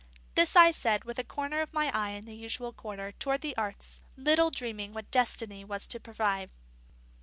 This I said with a corner of my eye in the usual quarter, toward the arts, little dreaming what destiny was to provide.